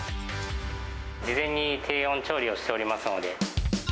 事前に低温調理をしておりますので。